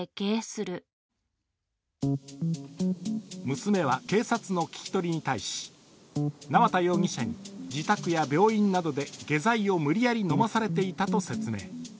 娘は、警察の聞き取りに対し縄田容疑者に自宅や病院などで下剤を無理やり飲まされていたと説明。